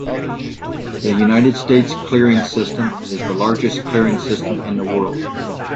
The United States Clearing System is the largest clearing system in the world.